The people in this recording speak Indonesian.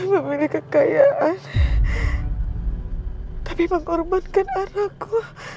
memilih kekayaan tapi mengorbankan anakku